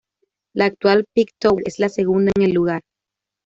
La actual Peak Tower es la segunda en el lugar.